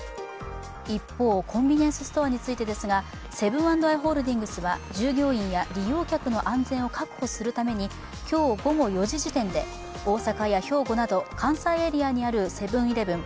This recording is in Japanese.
一方、コンビニエンスストアについてですがセブン＆アイ・ホールディングスは従業員や利用客の安全を確保するために今日午後４時時点で大阪や兵庫など関西エリアにあるセブン−イレブン